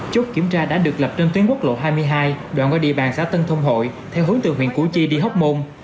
chốt kiểm tra đã được lập trên tuyến quốc lộ hai mươi hai đoạn qua địa bàn xã tân thông hội theo hướng từ huyện củ chi đi hóc môn